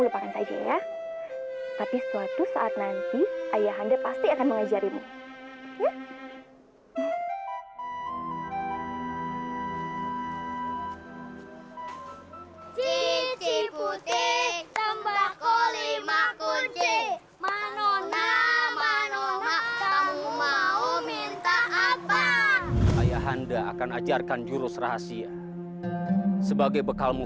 saya tidak mau beri tawaran kepadamu saya tidak mau kaya sama kamu saya tidak mau beri tawaran kepadamu